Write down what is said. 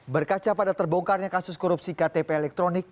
berkaca pada terbongkarnya kasus korupsi ktp elektronik